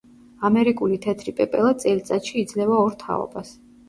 ამერიკული თეთრი პეპელა წელიწადში იძლევა ორ თაობას.